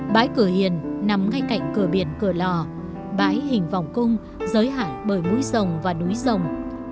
bãi cửa hiền nằm ngay cạnh cửa biển cửa lò bãi hình vòng cung giới hạn bởi mũi rồng và núi rồng